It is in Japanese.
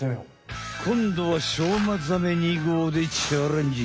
こんどはしょうまザメ２ごうでチャレンジ！